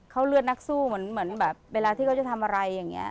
เขาเลือดนักสู้เหมือนแบบเวลาที่เขาจะทำอะไรอย่างนี้